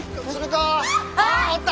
あおった！